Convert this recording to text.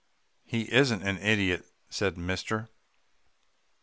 "'He isn't an idiot,' said mister.